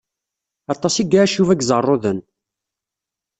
Aṭas i iɛac Yuba deg Iẓerruden.